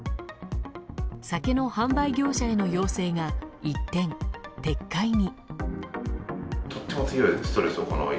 酒の販売業者への要請が一転、撤回に。